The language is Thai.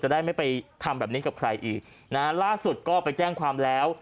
ได้ไม่ไปทำแบบนี้กับใครอีกนะฮะล่าสุดก็ไปแจ้งความแล้ว